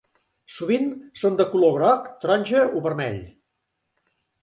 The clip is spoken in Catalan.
Sovint són de color groc, taronja o vermell.